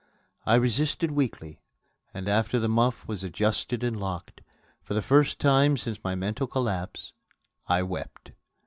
I resisted weakly, and, after the muff was adjusted and locked, for the first time since my mental collapse I wept.